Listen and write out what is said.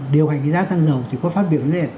điều hành giá xăng dầu thì có phát biểu